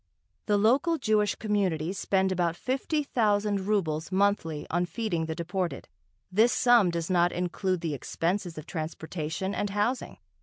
The local Jewish communities spend about fifty thousand rubles monthly on feeding the deported. This sum does not include the expenses of transportation and housing.